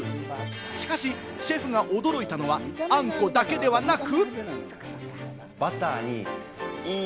しかしシェフが驚いたのはあんこだけではなく。